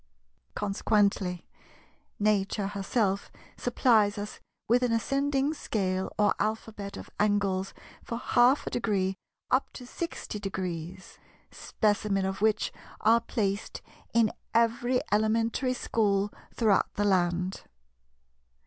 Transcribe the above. Consequently, Nature herself supplies us with an ascending scale or Alphabet of angles for half a degree up to 60°, Specimen of which are placed in every Elementary School throughout the land.